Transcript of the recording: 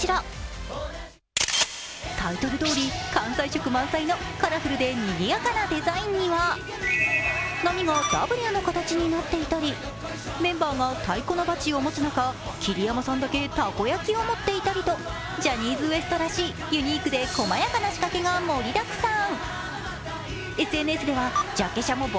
タイトルどおり、関西色満載のカラフルでにぎやかなデザインには、波がＷの形になっていたり、メンバーが太鼓のバチを持つ中、桐山さんだけ、たこ焼きを持っていたりと、ジャニーズＷＥＳＴらしいユニークで細やかな仕掛けが盛りだくさん。